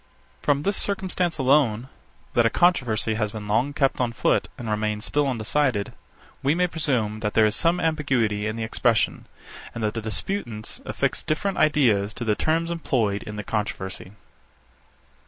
From this circumstance alone, that a controversy has been long kept on foot, and remains still undecided, we may presume that there is some ambiguity in the expression, and that the disputants affix different ideas to the terms employed in the controversy.